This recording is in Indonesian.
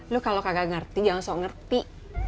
lu kalau kagak ngerti jangan so ngerti